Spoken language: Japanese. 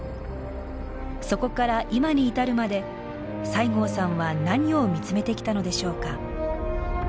そこから今に至るまで西郷さんは何を見つめてきたのでしょうか？